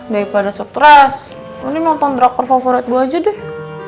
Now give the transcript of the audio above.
daripada stres mungkin nonton draker favorit gue aja deh